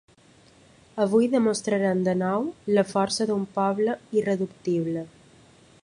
Avui demostrarem de nou la força d'un poble irreductible.